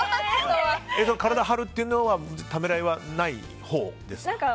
体張るというのはためらいがないほうですか？